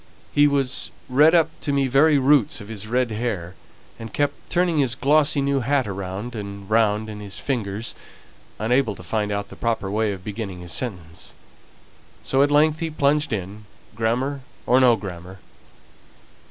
He was red up to the very roots of his red hair, and kept turning his glossy new hat round and round in his fingers, unable to find out the proper way of beginning his sentence, so at length he plunged in, grammar or no grammar.